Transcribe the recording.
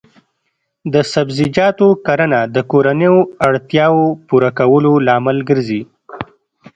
د سبزیجاتو کرنه د کورنیو اړتیاوو پوره کولو لامل ګرځي.